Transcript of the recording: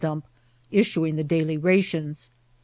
dump issuing the daily rations.